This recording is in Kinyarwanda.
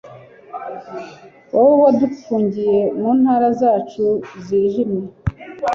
wowe wadufungiye mu ntara zacu zijimye